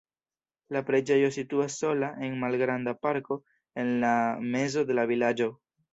La preĝejo situas sola en malgranda parko en la mezo de la vilaĝo.